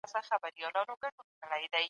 د ماشومانو لپاره د زده کړې زمینه برابره کړئ.